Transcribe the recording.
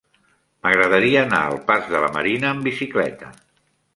M'agradaria anar al pas de la Marina amb bicicleta.